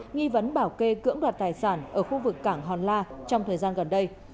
nghi vấn bảo kê cưỡng đoạt tài sản ở khu vực cảng hòn la trong thời gian gần đây